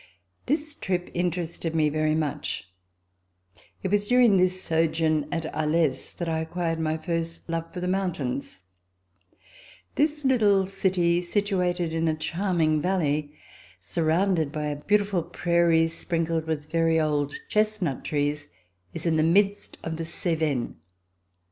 This trip interested me very much. It C27] RECOLLECTIONS OF THE REVOLUTION was during this sojourn at Alais that I acquired my first love for the mountains. This Httle city, situated in a charming valley, surrounded by a beautiful prairie sprinkled with very old chestnut trees, is in the midst of the Cevennes.